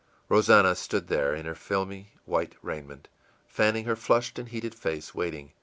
Rosannah stood there, in her filmy white raiment, fanning her flushed and heated face, waiting.